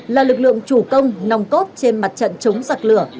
là lực lượng chủ công nòng cốt trên mặt trận chống giặc lửa